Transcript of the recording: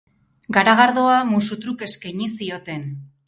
Garagardoa musu-truk eskaini zioten.